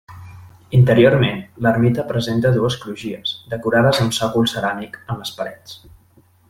Interiorment l'ermita presenta dues crugies, decorades amb sòcol ceràmic en les parets.